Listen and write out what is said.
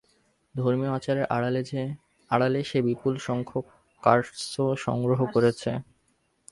ধর্মীয় আচারের আড়ালে সে বিপুল সংখ্যক কার্স সংগ্রহ করেছে।